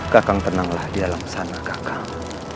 kakang tenanglah di dalam sana kakang